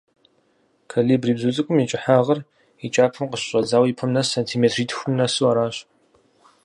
Колибри бзу цIыкIум и кIыхьагъыр и кIапэм къыщыщIэдзауэ и пэм нэс сэнтиметритхум нэсу аращ.